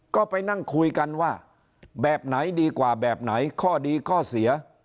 ก็ไปนั่งคุยกันว่าแบบไหนดีกว่าแบบไหนข้อดีข้อเสีย